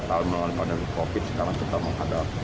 tahun mengalami covid sembilan belas sekarang